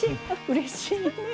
うれしいね。